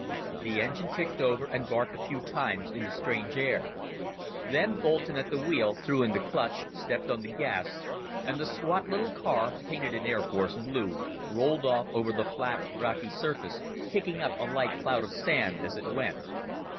The engine kicked over and barked a few times in the strange air. Then Boulton at the wheel threw in the clutch, stepped on the gas, and the squat little car, painted in Air Force blue, rolled off over the flat rocky surface, kicking up a light cloud of sand as it went.